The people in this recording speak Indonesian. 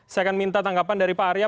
saya akan minta tanggapan dari pak arya